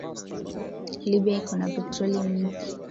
Libya iko na petroli mingi